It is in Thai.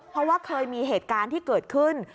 เพราะว่าเคยมีเหตุการณ์ที่เกิดขึ้น